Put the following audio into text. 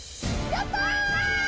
やったー！